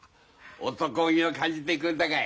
男気を感じてくれたかい。